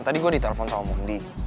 tadi gua ditelepon sama mundi